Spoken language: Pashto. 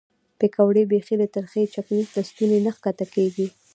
پیکورې بیخي له ترخې چکنۍ له ستوني نه ښکته کېږي.